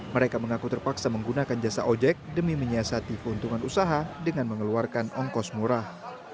mereka mengaku terpaksa menggunakan jasa ojek demi menyiasati keuntungan usaha dengan mengeluarkan ongkos murah